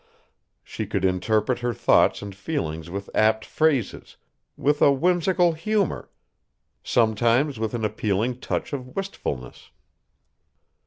She could interpret her thoughts and feelings with apt phrases, with a whimsical humor, sometimes with an appealing touch of wistfulness.